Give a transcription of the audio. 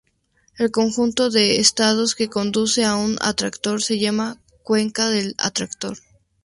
El conjunto de estados que conducen a un atractor se llama "cuenca" del atractor.